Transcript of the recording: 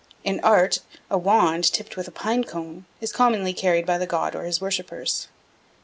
In art a wand, tipped with a pine cone, is commonly carried by the god or his worshippers.